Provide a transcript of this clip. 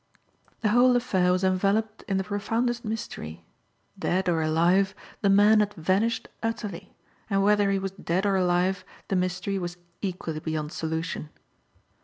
The whole affair was enveloped in the profoundest mystery. Dead or alive, the man had vanished utterly; and whether he was dead or alive, the mystery was equally beyond solution.